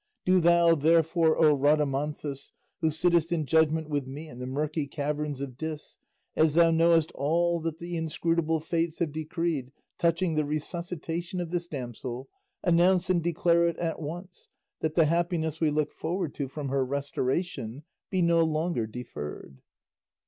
Do thou, therefore, O Rhadamanthus, who sittest in judgment with me in the murky caverns of Dis, as thou knowest all that the inscrutable fates have decreed touching the resuscitation of this damsel, announce and declare it at once, that the happiness we look forward to from her restoration be no longer deferred."